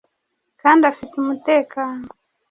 kandi afite umutekano.